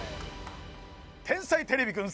「天才てれびくん」